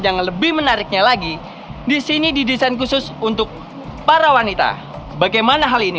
yang lebih menariknya lagi disini didesain khusus untuk para wanita bagaimana hal ini